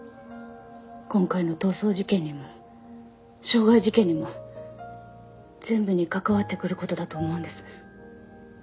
今回の逃走事件にも傷害事件にも全部に関わってくる事だと思うんです。